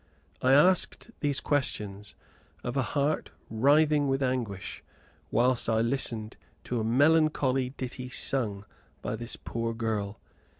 I asked these questions of a heart writhing with anguish, whilst I listened to a melancholy ditty sung by this poor girl.